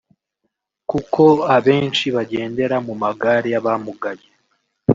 kuko abenshi bagendera mu magare y’abamugaye